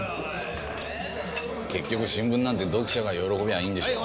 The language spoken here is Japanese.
結局新聞なんて読者が喜びゃいいんでしょう？